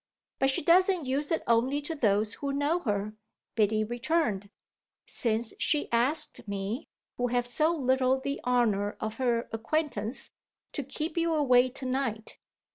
"But she doesn't use it only to those who know her," Biddy returned, "since she asked me, who have so little the honour of her acquaintance, to keep you away to night.